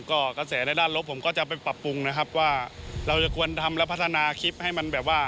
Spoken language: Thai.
ก็กระแสในด้านลบผมก็จะไปปรับปรุงนะครับว่าเราจะควรทำและพัฒนาคลิปให้มันแบบว่า